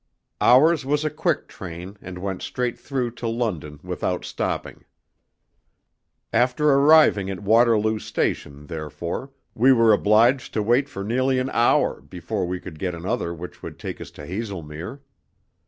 Ours was a quick train, and went straight through to London without stopping. After arriving at Waterloo station, therefore, we were obliged to wait for nearly an hour before we could get another which would take us to Haslemere.